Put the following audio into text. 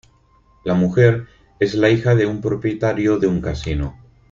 La mujer es la hija de un propietario de un casino.